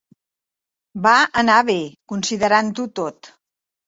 Va anar bé, considerant-ho tot.